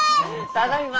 ただいま！